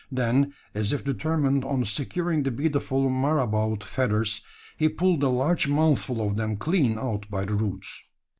Then, as if determined on securing the beautiful marabout feathers, he pulled a large mouthful of them clean out by the roots.